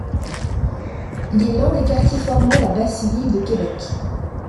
Il est l'un des quartiers formant la basse-ville de Québec.